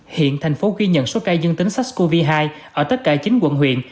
hiện thành phố ghi nhận số ca dương tính sars cov hai ở tất cả chín quận huyện